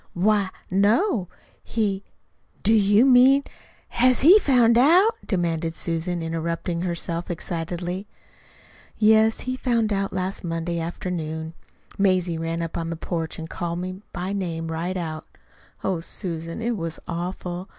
"Why, no. He Do you mean HAS he found out?" demanded Susan, interrupting herself excitedly. "Yes. He found out last Monday afternoon. Mazie ran up on to the porch and called me by name right out. Oh, Susan, it was awful.